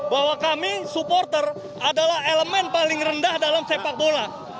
bahwa kami supporter adalah elemen paling rendah dalam sepak bola